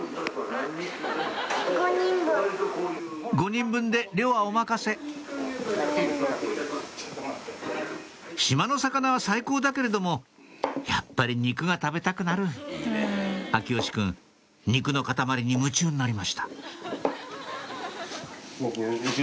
５！５人分で量はお任せ島の魚は最高だけれどもやっぱり肉が食べたくなる耀義くん肉の塊に夢中になりました